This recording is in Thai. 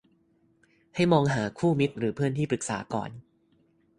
ให้มองหาคู่มิตรหรือเพื่อนที่ปรึกษาก่อน